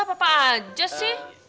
papa aja sih